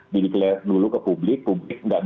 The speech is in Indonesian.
di declare dulu ke publik publik